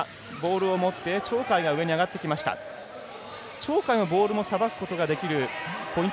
鳥海はボールをさばくことができるポイント